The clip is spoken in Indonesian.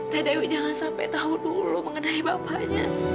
teh dewi jangan sampai tau dulu mengenai bapanya